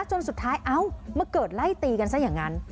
จนสุดท้ายเอ้ามาเกิดไล่ตีกันซะอย่างนั้น